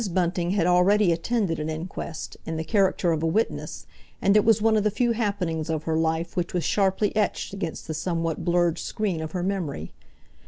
Bunting had already attended an inquest, in the character of a witness, and it was one of the few happenings of her life which was sharply etched against the somewhat blurred screen of her memory.